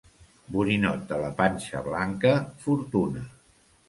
Borinot de la panxa blanca, fortuna.